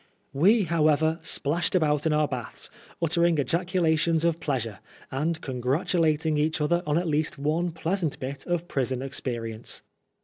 We, however, splashed about in our baths, uttering ejaculations of pleasure, and congratulating each other on at least one pleasant bit of prison experience.